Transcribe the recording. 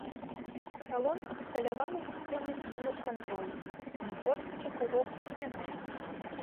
Салон абсталяваны сістэмай клімат-кантролю, таму фортачак ў вокнах няма.